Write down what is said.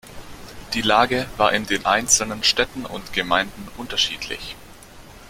Die Lage war in den einzelnen Städten und Gemeinden unterschiedlich.